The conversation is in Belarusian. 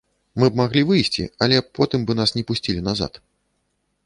Мы б маглі выйсці, але потым бы нас не пусцілі назад.